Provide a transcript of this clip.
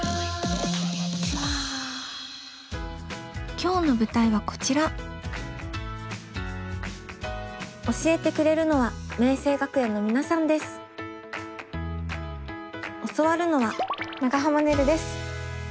今日の舞台はこちら教えてくれるのは教わるのは長濱ねるです。